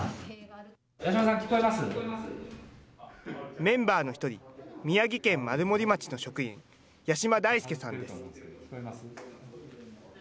メンバーの一人、宮城県丸森町の職員、八島大祐さんです。